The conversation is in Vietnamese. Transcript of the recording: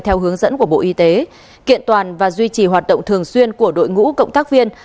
theo hướng dẫn của bộ y tế kiện toàn và duy trì hoạt động thường xuyên của đội ngũ cộng tác viên